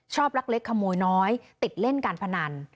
ลักเล็กขโมยน้อยติดเล่นการพนัน